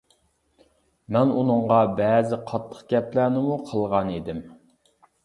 مەن ئۇنىڭغا بەزى قاتتىق گەپلەرنىمۇ قىلغان ئىدىم.